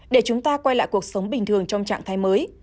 để chúng ta quay lại cuộc sống bình thường trong trạng thái mới